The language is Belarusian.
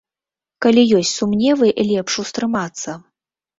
Калі ёсць сумневы, лепш устрымацца.